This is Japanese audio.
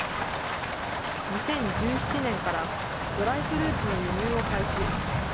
２０１７年からドライフルーツの輸入を開始。